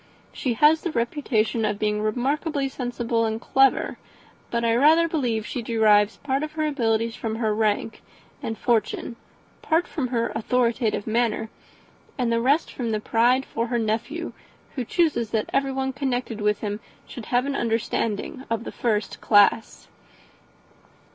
She has the reputation of being remarkably sensible and clever; but I rather believe she derives part of her abilities from her rank and fortune, part from her authoritative manner, and the rest from the pride of her nephew, who chooses that everyone connected with him should have an understanding of the first class."